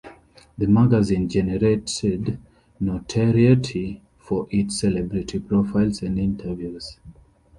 The magazine generated notoriety for its celebrity profiles and interviews.